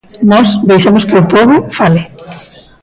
Nós deixamos que o pobo fale.